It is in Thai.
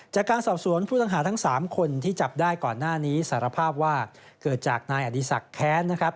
จากการสอบสวนผู้ต้องหาทั้ง๓คนที่จับได้ก่อนหน้านี้สารภาพว่าเกิดจากนายอดีศักดิ์แค้นนะครับ